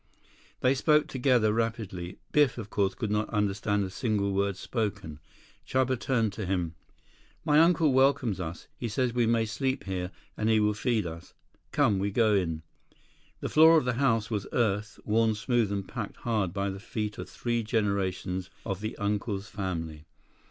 They spoke together rapidly. Biff, of course, could not understand a single word spoken. Chuba turned to him. "My uncle welcomes us. He says we may sleep here, and he will feed us. Come, we go in." The floor of the house was earth, worn smooth and packed hard by the feet of three generations of the uncle's family.